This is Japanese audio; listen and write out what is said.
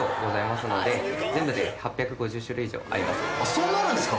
そんなあるんですか？